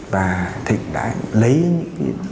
và thịnh đã lấy những đồ dùng cá nhân của chị ánh